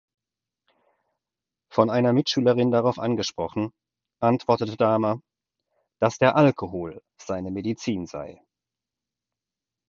Von einer Mitschülerin darauf angesprochen, antwortete Dahmer, dass der Alkohol seine „Medizin“ sei.